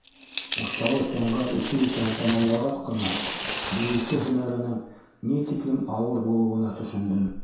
Учалы сәнғәт училищеһын тамамлағас ҡына бейеүсе һөнәренең ни тиклем ауыр булыуына төшөндөм.